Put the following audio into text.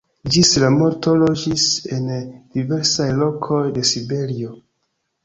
Ĝis la morto loĝis en diversaj lokoj de Siberio.